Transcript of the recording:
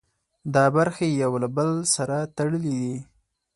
دا برخې یو له بل سره تړلي دي.